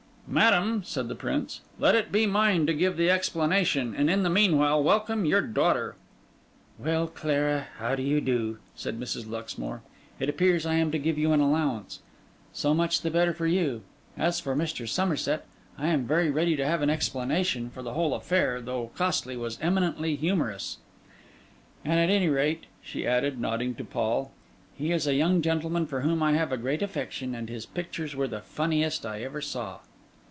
'Madam,' said the Prince, 'let it be mine to give the explanation; and in the meanwhile, welcome your daughter.' 'Well, Clara, how do you do?' said Mrs. Luxmore. 'It appears I am to give you an allowance. So much the better for you. As for Mr. Somerset, I am very ready to have an explanation; for the whole affair, though costly, was eminently humorous. And at any rate,' she added, nodding to Paul, 'he is a young gentleman for whom I have a great affection, and his pictures were the funniest I ever saw.